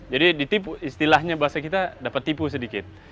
jadi istilahnya bahasa kita dapat tipu sedikit